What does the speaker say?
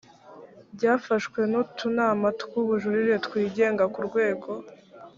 byafashwe n utunama tw ubujurire twigenga ku rwego